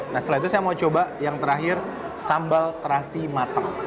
nah setelah itu saya mau coba yang terakhir sambal terasi matang